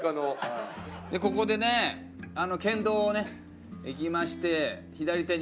ここでね県道をね行きまして左手に。